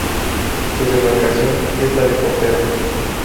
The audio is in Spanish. Su demarcación es la de portero.